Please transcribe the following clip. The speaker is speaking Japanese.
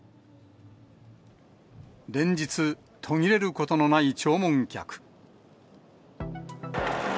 連日、途切れることのない弔問客。